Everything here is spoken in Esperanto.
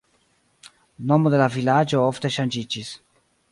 Nomo de la vilaĝo ofte ŝanĝiĝis.